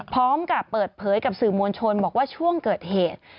พร้อมกับเปิดเผยกับสื่อมวลชนบอกว่าช่วงเกิดเหตุ